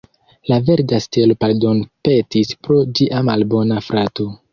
La verda stelo pardonpetis pro ĝia malbona frato.